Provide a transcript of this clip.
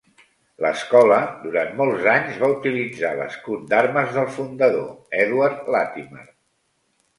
L'escola durant molts anys va utilitzar l'escut d'armes del fundador, Edward Latymer.